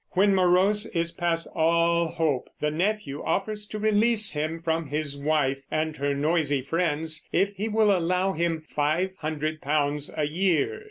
When Morose is past all hope the nephew offers to release him from his wife and her noisy friends if he will allow him five hundred pounds a year.